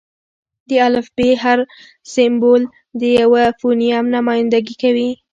د الفبې: هر سېمبول د یوه فونیم نمایندګي کوي.